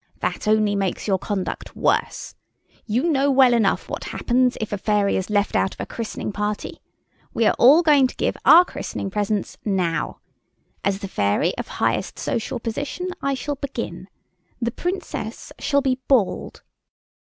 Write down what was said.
"That only makes your conduct worse. You know well enough what happens if a fairy is left out of a christening party. We are all going to give our christening presents now. As the fairy of highest social position, I shall begin. The Princess shall be bald."